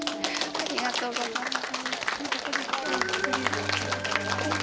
ありがとうございます。